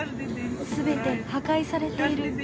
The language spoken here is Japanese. すべて破壊されている。